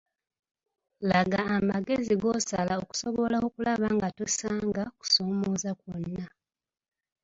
Laga amagezi g’osala okusobola okulaba nga tosanga kusomooza kwonna.